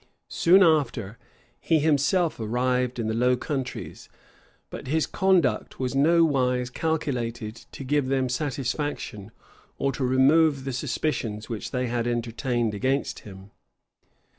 Soon after, he himself arrived in the Low Countries; but his conduct was nowise calculated to give them satisfaction, or to remove the suspicions which they had entertained against him.